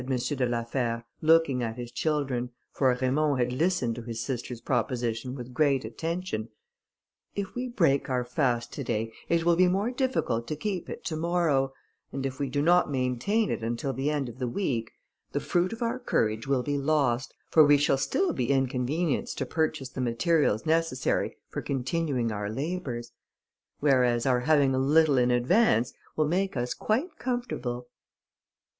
de la Fère, looking at his children, for Raymond had listened to his sister's proposition with great attention, "if we break our fast to day, it will be more difficult to keep it to morrow, and if we do not maintain it until the end of the week, the fruit of our courage will be lost, for we shall still be inconvenienced to purchase the materials necessary for continuing our labours; whereas our having a little in advance will make us quite comfortable."